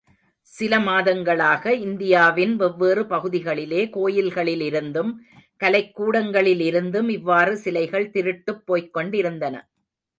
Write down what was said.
சில மாதங்களாக இந்தியாவின் வெவ்வேறு பகுதிகளிலே கோயில்களிலிருந்தும் கலைக்கூடங்களிலிருந்தும் இவ்வாறு சிலைகள் திருட்டுப் போய்க்கொண்டிருந்தன.